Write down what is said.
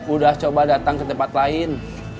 udah coba datang ke tempat lain